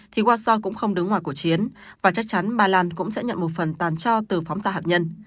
thì warsaw cũng không đứng ngoài cuộc chiến và chắc chắn bài lan cũng sẽ nhận một phần tàn cho từ phóng gia hạt nhân